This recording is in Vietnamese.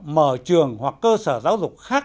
mở trường hoặc cơ sở giáo dục khác